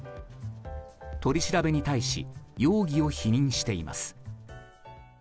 取り調べに対し容疑を否認しています。